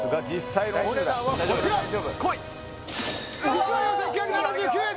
１４９７９円！